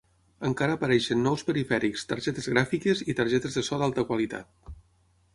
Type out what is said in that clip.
Encara apareixen nous perifèrics, targetes gràfiques i targetes de so d'alta qualitat.